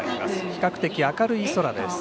比較的明るい空です。